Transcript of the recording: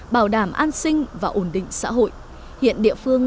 bảo đảm an sinh và ổn định xã hội